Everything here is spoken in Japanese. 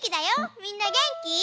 みんなげんき？